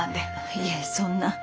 いえそんな。